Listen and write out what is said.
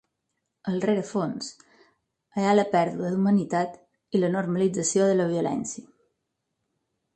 Al rerefons, hi ha la pèrdua d’humanitat i la normalització de la violència.